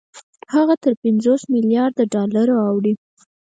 هغه تر پنځوس مليارده ډالرو اوړي